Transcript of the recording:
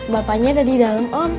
bapaknya ada di dalam om